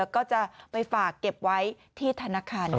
ก็จะไปฝากเก็บไว้ที่ธนาคาร